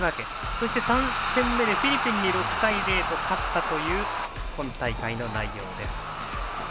そして３戦目でフィリピンに６対０で勝ったという今大会の内容です。